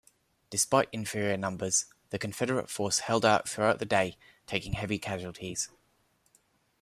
Despite inferior numbers, the Confederate force held out throughout the day, taking heavy casualties.